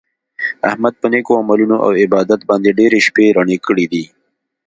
احمد په نېکو عملونو او عبادت باندې ډېرې شپې رڼې کړي دي.